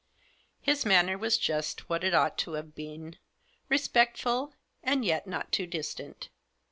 His manner was just what it ought to have been, respectful, and yet not too distant.